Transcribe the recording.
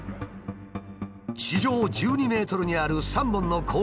地上１２ｍにある３本の高圧電線。